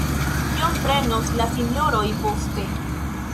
Kion prenos la Sinjoroj poste?